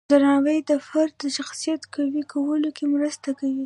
درناوی د فرد د شخصیت قوی کولو کې مرسته کوي.